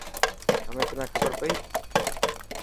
همي تنا کبر پئي.